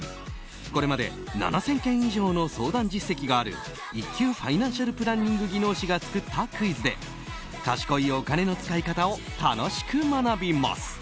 これまで７０００件以上の相談実績がある１級ファイナンシャル・プランニング技能士が作ったクイズで賢いお金の使い方を楽しく学びます。